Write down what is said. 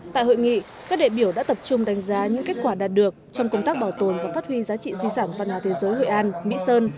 tại hội nghị các đệ biểu đã tập trung đánh giá những kết quả đạt được trong công tác bảo tồn và phát huy giá trị di sản văn hóa thế giới hội an mỹ sơn